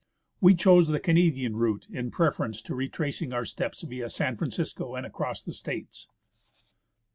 We chose the Canadian route in preference to retracing our steps via San Francisco and across the States.